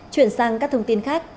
chuyển sang các thông tin khác